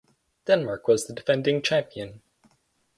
Denmark was the defending champion.